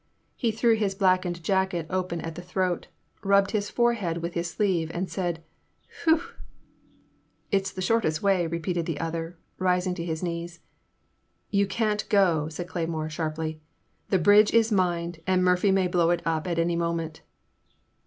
He threw his black ened jacket open at the throat, rubbed his fore head with his sleeve and said, '* Whew !'*'* It 's the shortest way," repeated the other, rising to his knees. You can't go," said Cleymore, sharply, the bridge is mined and Murphy may blow it up any moment."